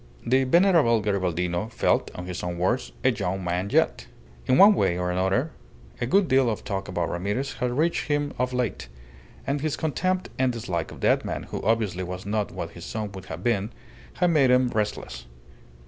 The venerable Garibaldino felt, in his own words, "a young man yet." In one way or another a good deal of talk about Ramirez had reached him of late; and his contempt and dislike of that man who obviously was not what his son would have been, had made him restless.